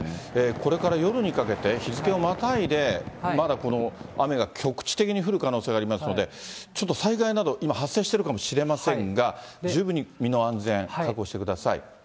これから夜にかけて日付をまたいで、まだこの雨が局地的に降る可能性がありますので、ちょっと災害など今発生しているかもしれませんが、十分に身の安全、確保してください。